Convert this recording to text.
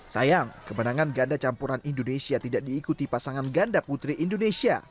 sayang kemenangan ganda campuran indonesia tidak diikuti pasangan ganda putri indonesia